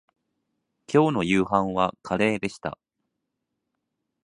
きょうの夕飯はカレーでした